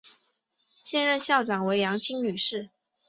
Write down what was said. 现任校长为杨清女士。